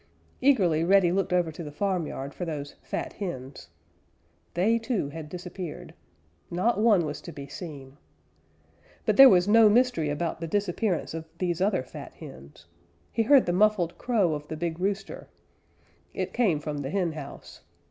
Eagerly Reddy looked over to the farmyard for those fat hens. They, too, had disappeared. Not one was to be seen. But there was no mystery about the disappearance of these other fat hens. He heard the muffled crow of the big rooster. It came from the henhouse.